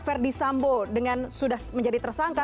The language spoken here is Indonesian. verdi sambo dengan sudah menjadi tersangka